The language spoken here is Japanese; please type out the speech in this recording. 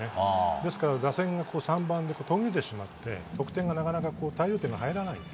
ですから打線が３番で途切れてしまって、得点がなかなか大量点が入らない。